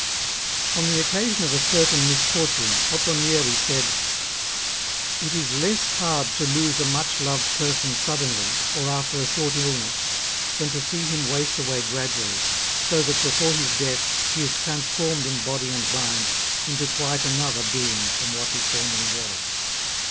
On the occasion of a certain misfortune, Ottonieri said :" It is less hard to lose a much loved person suddenly, or after a short illness, than to see him waste away gradually, so that before his death he is transformed in body and mind into quite another being from what he formerly was.